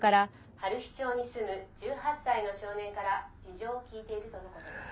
「春陽町に住む１８歳の少年から事情を聴いているとの事です」